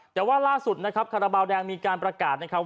แต่ว่าล่าสุดนะครับคาราบาลแดงมีการประกาศนะครับ